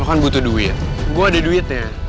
lo kan butuh duit gue ada duit ya